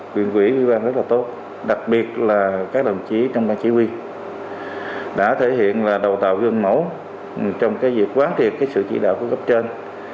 quyền quỹ quý quan rất là tốt đặc biệt là các đồng chí trong ban chỉ huy đã thể hiện là đầu tạo gân mẫu trong việc quán triệt sự chỉ đạo của gấp trên